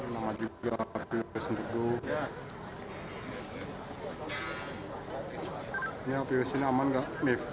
mif aman gak